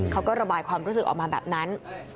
เขาก็ระบายความรู้สึกออกมาแบบนั้น